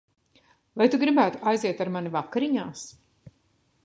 Vai tu gribētu aiziet ar mani vakariņās?